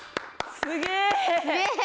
すげえ！